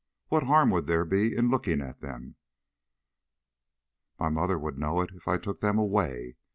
What harm would there be in looking at them?" "My mother would know it if I took them away.